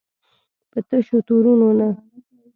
په تشو تورونو نه.